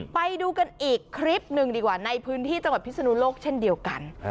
ไปดูกันอีกคลิปหนึ่งดีกว่าในพื้นที่จังหวัดพิศนุโลกเช่นเดียวกัน